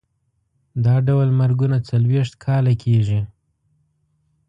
دا ډول مرګونه څلوېښت کاله کېږي.